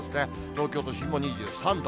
東京都心も２３度。